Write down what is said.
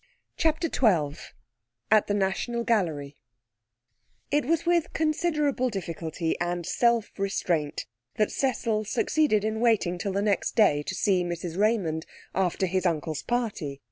CHAPTER XII At the National Gallery It was with considerable difficulty and self restraint that Cecil succeeded in waiting till the next day to see Mrs Raymond after his uncle's party.